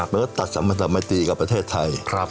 มันก็ตัดสามัญตีกับประเทศไทย